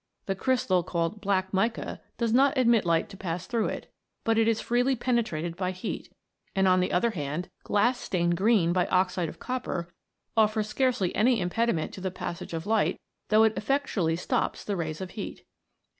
The crystal called black mica, does not admit light to pass through it, but it is freely penetrated by heat j and on the other hand, glass stained green by oxide of copper, offers scarcely any impediment to the passage of light, though it effectually stops the rays of heat.